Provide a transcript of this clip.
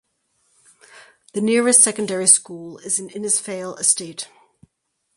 The nearest secondary school is in Innisfail Estate.